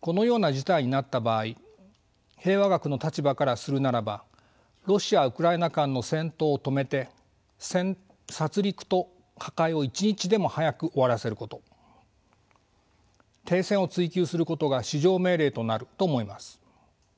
このような事態になった場合平和学の立場からするならばロシア・ウクライナ間の戦闘を止めて殺りくと破壊を一日でも早く終わらせること停戦を追求することが至上命令となると思います。